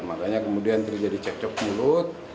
makanya kemudian terjadi cekcok mulut